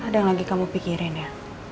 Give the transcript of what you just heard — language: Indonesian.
ada yang lagi kamu pikirin ya